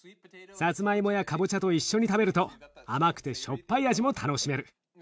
サツマイモやかぼちゃと一緒に食べると甘くてしょっぱい味も楽しめる。